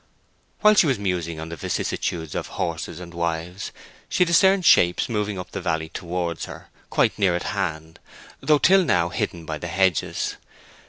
While she was musing on the vicissitudes of horses and wives, she discerned shapes moving up the valley towards her, quite near at hand, though till now hidden by the hedges.